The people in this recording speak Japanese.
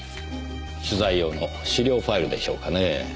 取材用の資料ファイルでしょうかねぇ。